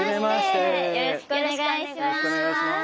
よろしくお願いします。